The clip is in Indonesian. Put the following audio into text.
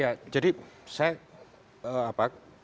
ya jadi saya apa